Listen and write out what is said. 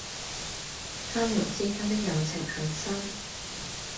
他們之間的友情很深。